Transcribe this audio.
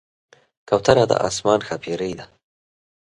کوتره د آسمان ښاپېرۍ ده.